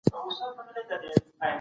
زه چټک لیکم